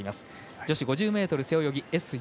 女子５０ｍ背泳ぎＳ４